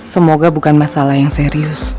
semoga bukan masalah yang serius